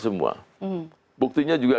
semua buktinya juga